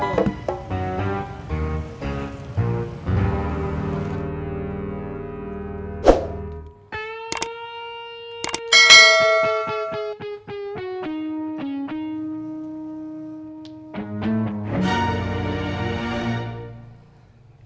kagak ada di koran cuman buat kerjaan di situ